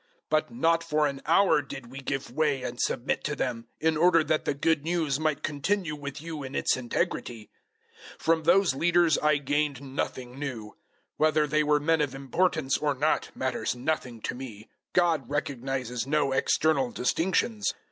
002:005 But not for an hour did we give way and submit to them; in order that the Good News might continue with you in its integrity. 002:006 From those leaders I gained nothing new. Whether they were men of importance or not, matters nothing to me God recognizes no external distinctions.